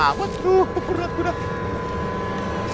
aduh keberat gue dah